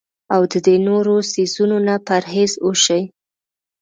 او د دې نورو څيزونو نه پرهېز اوشي